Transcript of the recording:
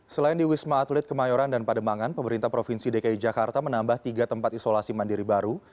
selain di wisma atlet kemayoran dan pademangan pemerintah provinsi dki jakarta menambah tiga tempat isolasi mandiri baru